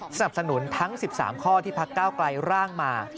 สนับสนุนทั้ง๑๓ข้อที่พักก้าวไกลร่างมา